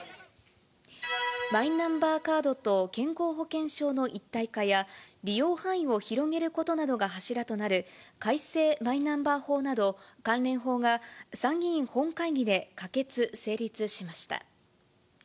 マイナンバーカードと健康保険証の一体化や、利用範囲を広げることなどが柱となる、改正マイナンバー法など、関連法が参議院本会議で可決・成立しました。